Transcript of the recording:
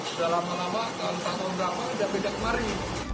udah lama lama kalau satu tahun berapa udah beda kemarin